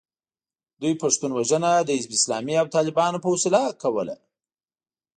دوی پښتون وژنه د حزب اسلامي او طالبانو په وسیله کوله.